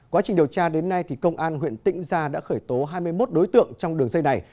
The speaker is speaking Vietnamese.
quá trình điều tra đến nay công an huyện tĩnh gia đã khởi tố hai mươi một đối tượng trong đường dây này